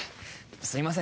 すいません